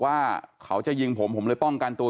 ว่าเขาจะยิงผมผมเลยป้องกันตัว